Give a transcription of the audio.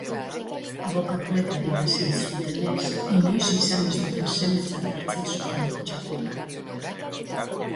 Abokatuek adierazi zutenez, inoiz izan ez duten semetzat hartzen zuten txakurra.